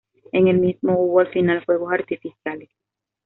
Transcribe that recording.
En el mismo hubo al final fuegos artificiales.